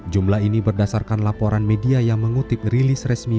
jumlah ini berdasarkan laporan media yang mengutip rilis resmi